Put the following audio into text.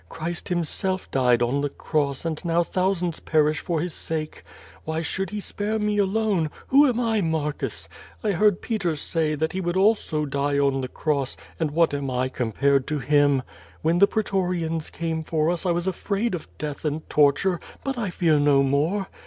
Christ himself died on the cross and now thou sands perish for his sake. Wliy should he spare me aloqe? Who am I, Marcus? I heard Peter say, that he also woi|4ld die on the cross, and what am I compared to him? Wl^n the pretorians came for us I was afraid of death and tortu but I fear no more.